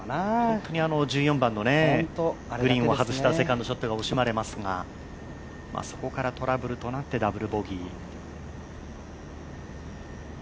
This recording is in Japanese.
本当に１４番のグリーンを外したセカンドショットが惜しまれますがそこからトラブルとなって、ダブルボギー。